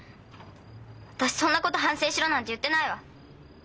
私そんなこと反省しろなんて言ってないわ！